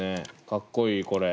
かっこいいこれ。